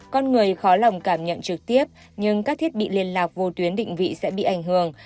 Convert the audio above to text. con người khó lòng cảm nhận trực tiếp nhưng các thiết bị liên lạc vô tuyến định vị sẽ bị ảnh hưởng